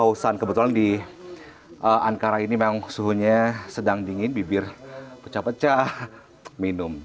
keusan kebetulan di ankara ini memang suhunya sedang dingin bibir pecah pecah minum